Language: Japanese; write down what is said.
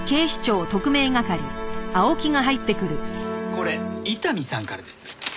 これ伊丹さんからです。